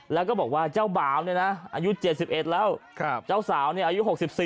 แล้วก็บอกว่าเจ้าบ่าวเนี่ยนะอายุ๗๑แล้วเจ้าสาวเนี่ยอายุ๖๔